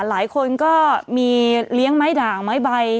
หลายคนก็มีเลี้ยงไม้ด่างไม้ใบ